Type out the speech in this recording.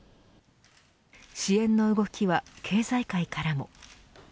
支援の動きは経済界からも。